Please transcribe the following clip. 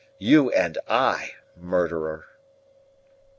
you and I, murderer!"